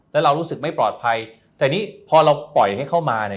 แล้วเรารู้สึกไม่ปลอดภัยแต่นี่พอเราปล่อยให้เข้ามาเนี่ย